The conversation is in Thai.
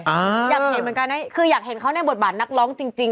อยากเห็นเหมือนกันนะคืออยากเห็นเขาในบทบาทนักร้องจริงจริง